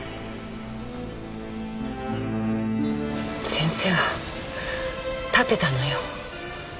先生は立てたのよ。